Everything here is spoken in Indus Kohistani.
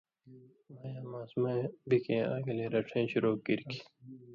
مایاں ماسُمہۡ بے کېں آ گلے رڇھَیں شُروع کیریۡ کھیں